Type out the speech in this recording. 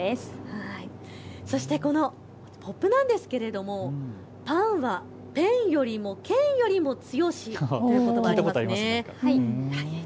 そしてこのポップなんですけどもパンはペンよりも剣よりも強しということばがありますね。